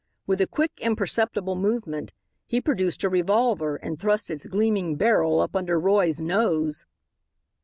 With a quick, imperceptible movement he produced a revolver and thrust its gleaming barrel up under Roy's nose.